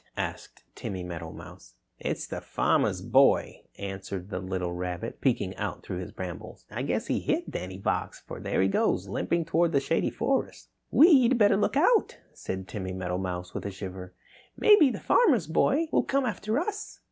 asked Timmy Meadowmouse. "It's the Farmer's Boy," answered the little rabbit, peeking out through the brambles. "I guess he hit Danny Fox, for there he goes limping towards the Shady Forest." "We'd better look out," said Timmy Meadowmouse with a shiver. "Maybe the Farmer's Boy will come after us."